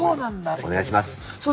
お願いします。